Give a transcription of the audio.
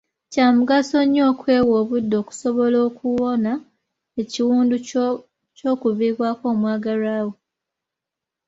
Kya mugaso nnyo okwewa obudde okusobola okuwona ekiwundu ky'okuviibwako omwagalwa wo.